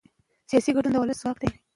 سیاسي ګډون د ولس ځواک دی